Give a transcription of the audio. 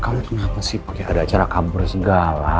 kau itu kenapa sih pake ada acara kabur segala